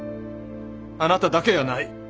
あなただけやない！